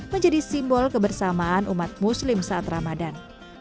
menjadi simbol kebersamaan umat muslim saat ramadan